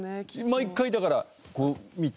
毎回だからこう見て。